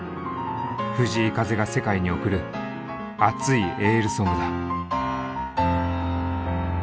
藤井風が世界に贈る熱いエールソングだ。